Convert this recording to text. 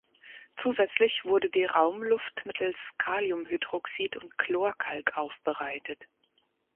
Zusätzlich wurde die Raumluft mittels Kaliumhydroxid und Chlorkalk aufbereitet.